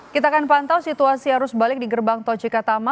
kita akan pantau situasi arus balik di gerbang tol cikatama